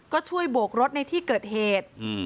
ก็ช่วยโบกรถในที่เกิดเหตุ